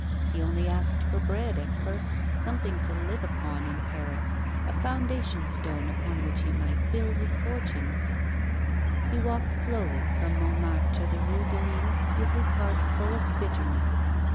He only asked for bread at first, something to live upon in Paris, a foundation stone upon which he might build his fortune. He walked slowly from Montmartre to the Eue de Lille with his heart full of bitterness.